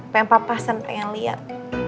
pengen papasan pengen liat